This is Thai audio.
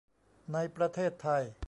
ในประเทศไทย